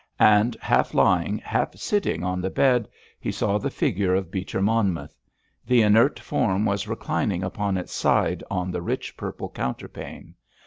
And half lying, half sitting on the bed he saw the figure of Beecher Monmouth. The inert form was reclining upon its side on the rich purple counterpane.